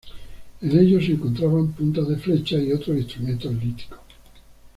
En ellos, se encontraban puntas de flecha y otros instrumentos líticos.